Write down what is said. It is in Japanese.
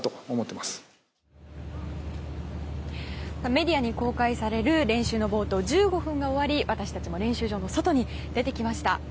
メディアに公開される練習の冒頭１５分が終わり私たちも練習場の外に出てきました。